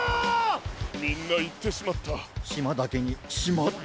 みんないってしまった。